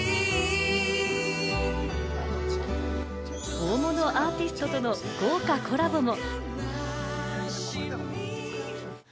大物アーティストとの豪華コラボも。